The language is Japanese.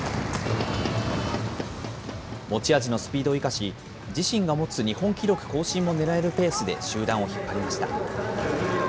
持ち味のスピードを生かし、自身が持つ日本記録更新も狙えるペースで集団を引っ張りました。